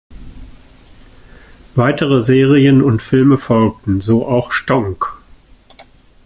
Weitere Serien und Filme folgten, so auch "Schtonk!